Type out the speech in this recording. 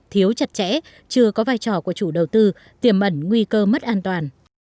thiếu chặt chẽ chưa có vai trò của chủ đầu tư tiềm ẩn nguy cơ mất an toàn